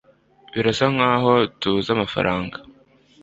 Birasa nkaho tubuze amafaranga